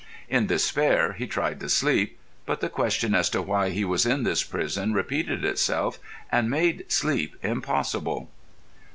In despair, he tried to sleep. But the question as to why he was in this prison repeated itself and made sleep impossible.